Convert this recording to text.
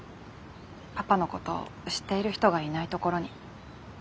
パパのことを知っている人がいない所に。